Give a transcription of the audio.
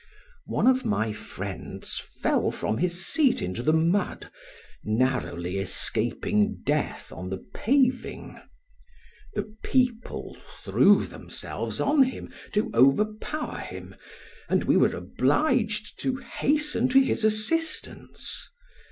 One of my friends fell from his seat into the mud, narrowly escaping death on the paving. The people threw themselves on him to overpower him and we were obliged to hasten to his assistance.